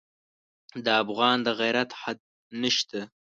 د افغان د غیرت حد نه شته.